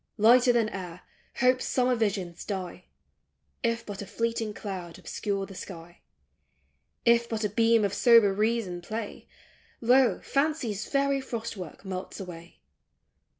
Lighter than air. hope's summer visions die, If but a fleeting cloud obscure the sky ; If but a beam of sober reason play, Lo, fancy's fairy frost work melts away!